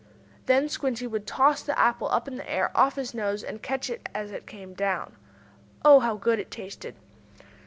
Then Squinty would toss the apple up in the air, off his nose, and catch it as it came down. Oh, how good it tasted!